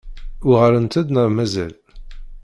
Uɣalent-d neɣ mazal?